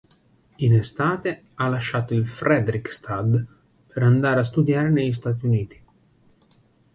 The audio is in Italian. In estate, ha lasciato il Fredrikstad per andare a studiare negli Stati Uniti.